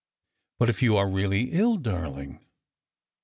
" But if you are really ill, darling."